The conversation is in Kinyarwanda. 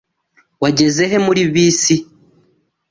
Wageze he muri bisi?